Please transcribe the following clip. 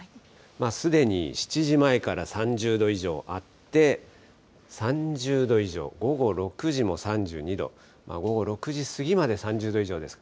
すでに７時前から３０度以上あって、３０度以上、午後６時も３２度、午後６時過ぎまで３０度以上です。